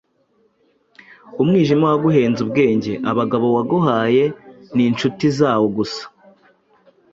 Umwijima waguhenze ubwenge, abagabo waguhaye ni inshuti zawo gusa,